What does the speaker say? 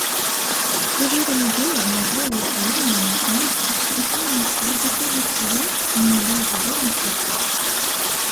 Фігуры людзей абмяжоўваюцца лініямі і іх экспрэсіўнасць зыходзіць з вялікіх міндалепадобных вачэй.